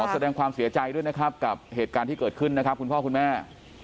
แสดงความเสียใจด้วยนะครับกับเหตุการณ์ที่เกิดขึ้นนะครับคุณพ่อคุณแม่